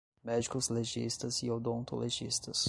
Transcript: Médicos legistas e odontolegistas